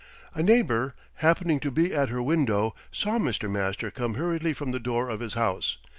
A neighbor, happening to be at her window, saw Mr. Master come hurriedly from the door of his house.